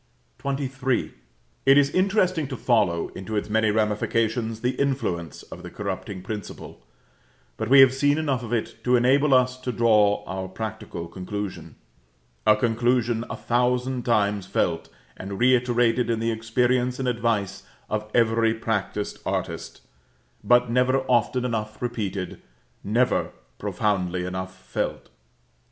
XXIII. It is interesting to follow into its many ramifications, the influence of the corrupting principle; but we have seen enough of it to enable us to draw our practical conclusion a conclusion a thousand times felt and reiterated in the experience and advice of every practised artist, but never often enough repeated, never profoundly enough felt.